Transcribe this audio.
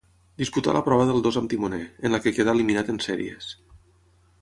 Disputà la prova del dos amb timoner, en la que quedà eliminat en sèries.